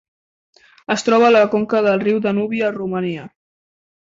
Es troba a la conca del riu Danubi a Romania.